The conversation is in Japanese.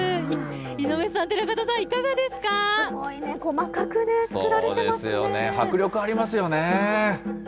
井上さん、寺門さん、いかがですすごいね、細かく作られてま迫力ありますよね。